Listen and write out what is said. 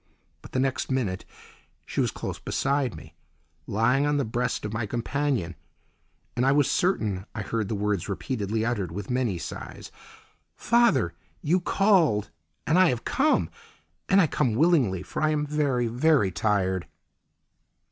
But the next minute she was close beside me, lying on the breast of my companion, and I was certain I heard the words repeatedly uttered with many sighs: "Father, you called, and I have come. And I come willingly, for I am very, very tired."